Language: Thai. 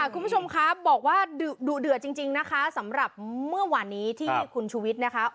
คุณผู้ชมคะบอกว่าดุเดือดจริงนะคะสำหรับเมื่อวานนี้ที่คุณชูวิทย์นะคะ